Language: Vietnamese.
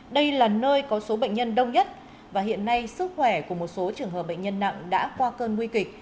đây là nơi có số bệnh nhân đông nhất và hiện nay sức khỏe của một số trường hợp bệnh nhân nặng đã qua cơn nguy kịch